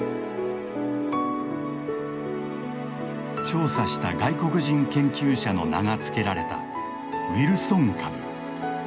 調査した外国人研究者の名が付けられたウィルソン株。